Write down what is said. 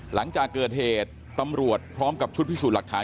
หลังจากเกิดเหตุตำรวจพร้อมกับชุดพิสูจน์หลักฐาน